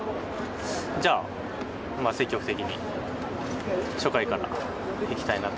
じゃ、積極的に初回からいきたいなと。